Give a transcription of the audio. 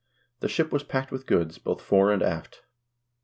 The ship was packed with goods, both fore and aft.